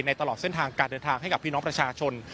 ตลอดเส้นทางการเดินทางให้กับพี่น้องประชาชน